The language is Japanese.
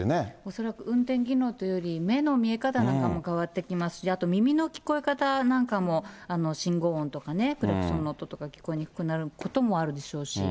恐らく運転技能というより、目の見え方が変わってきますし、あと耳の聞こえ方なんかも信号音とかね、クラクションの音とか、聞こえにくくなることもあるでしょうし。